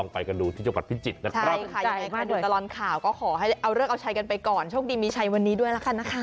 ไปให้ถึงอีกฝั่ง